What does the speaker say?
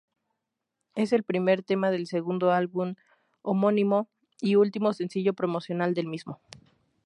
Es el primer tema del segundo álbum homónimo y último sencillo promocional del mismo.